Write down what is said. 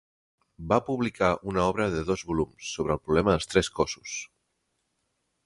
Va publicar una obra de dos volums sobre el problema dels tres cossos.